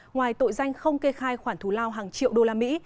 ngoài tội danh không kê khai khoản thù lao hàng triệu đô la mỹ